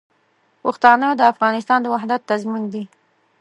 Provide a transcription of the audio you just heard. پښتانه د افغانستان د وحدت تضمین دي.